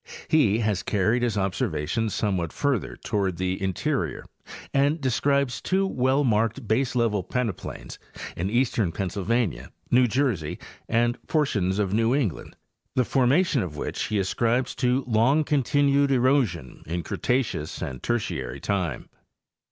He has carried his observations somewhat further toward the interior and de scribes two well marked baselevel peneplains in eastern Penn sylvania, New Jersey and portions of New England, the formation of which, he ascribes to long continued erosion in Cretaceous and Tertiary time.